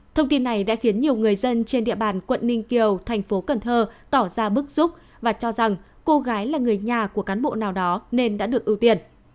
thông tin này đã khiến nhiều người dân trên địa bàn quận ninh kiều tp cn tỏ ra bức rúc và cho rằng cô gái là người nhà của cán bộ nào đó nên đã được ưu tiên